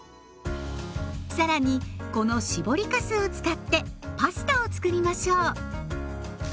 更にこの搾りかすを使ってパスタをつくりましょう。